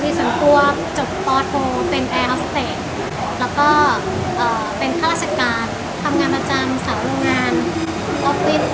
มี๒ตัวจบปอสโฟเป็นแอร์ออสเตกแล้วก็เป็นค่าราชการทำงานอาจารย์สารโรงงานออฟฟิศ